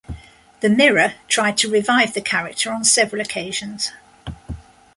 The "Mirror" tried to revive the character on several occasions.